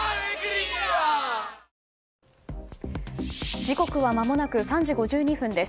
時刻はまもなく３時５２分です。